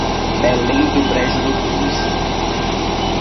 Belém do Brejo do Cruz